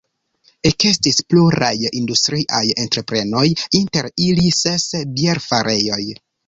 Ekestis pluraj industriaj entreprenoj, inter ili ses bierfarejoj.